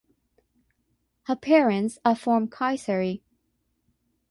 Her parents are from Kayseri.